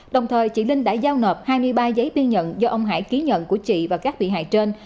đồng thời chị linh đã giao nộp hai mươi ba giấy biên nhận do ông hải ký nhận của chị và các bị hại trên